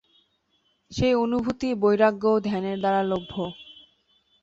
সেই অনুভূতি বৈরাগ্য ও ধ্যানের দ্বারা লভ্য।